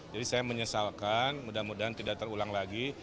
jadi saya menyesalkan mudah mudahan tidak terulang lagi